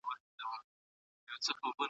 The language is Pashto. دوی د بدن دفاعی سیسټم ته خبر ورکوي.